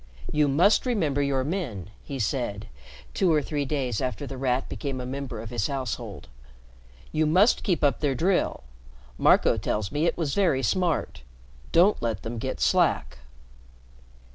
"You must remember your men," he said, two or three days after The Rat became a member of his household. "You must keep up their drill. Marco tells me it was very smart. Don't let them get slack."